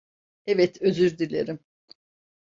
Evet, özür dilerim.